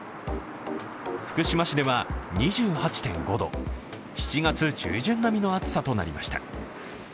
福島市では２８．５度７月中旬並みの暑さとなりました。